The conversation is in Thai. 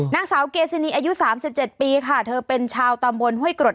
นางสาวเกซินีอายุ๓๗ปีค่ะเธอเป็นชาวตำบลห้วยกรด